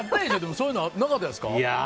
そういうのなかったですか？